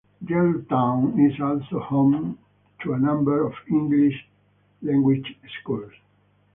Yaletown is also home to a number of English language schools.